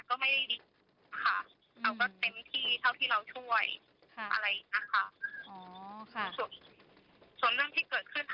เราก็เต็มที่เท่าที่เราช่วยอะไรอีกน่ะค่ะ